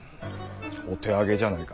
お手上げじゃあないか。